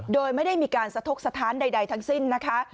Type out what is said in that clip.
โดยไม่ได้มีการสะทกสถานใดทั้งสิ้นนะคะ